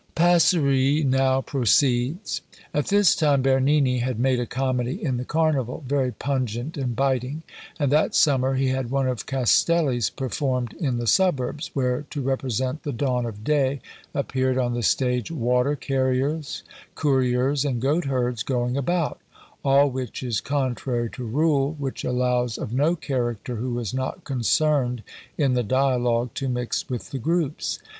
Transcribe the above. Passeri now proceeds: "At this time Bernini had made a comedy in the Carnival, very pungent and biting; and that summer he had one of Castelli's performed in the suburbs, where, to represent the dawn of day, appeared on the stage water carriers, couriers, and goat herds, going about all which is contrary to rule, which allows of no character who is not concerned in the dialogue to mix with the groups.